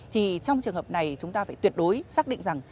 thì trong trường hợp này chúng ta phải tuyệt đối xác định rằng